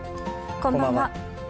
こんばんは。